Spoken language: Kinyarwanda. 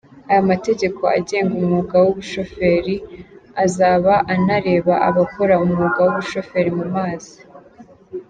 Aya mategeko agenga umwuga w’ubushoferi azaba anareba abakora umwuga w’ubushoferi mu mazi.